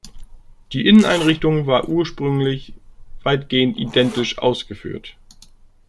Die Inneneinrichtung war ursprünglich weitgehend identisch ausgeführt.